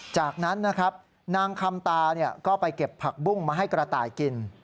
จากนั้นนะครับนางคำตาก็ไปเก็บผักบุ้งมาให้กระต่ายกิน